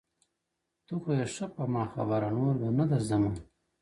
ته خو يې ښه په ما خبره نور بـه نـه درځمـه ـ